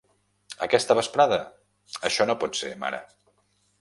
Aquesta vesprada? Això no pot ser, mare.